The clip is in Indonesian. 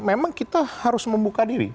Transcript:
memang kita harus membuka diri